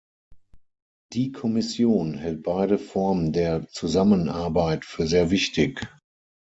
Die Kommission hält beide Formen der Zusammenarbeit für sehr wichtig.